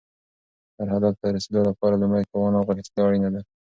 هر هدف ته رسیدو لپاره لومړی توان او غښتلتیا اړینه ده.